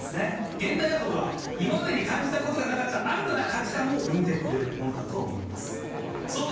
現代アートとは今までに感じた事がなかった新たな価値観を生んでくれるものだと思います。